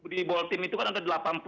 di bolsim itu kan ada delapan puluh satu